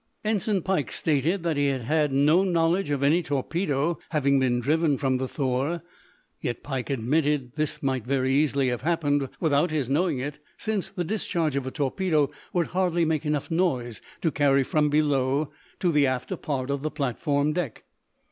Ensign Pike stated that he had had no knowledge of any torpedo having been driven from the "Thor." Yet Pike admitted that this might very easily have happened without his knowing it, since the discharge of a torpedo would hardly make enough noise to carry from below to the after part of the platform deck.